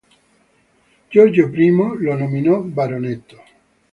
Giorgio I lo nominò baronetto.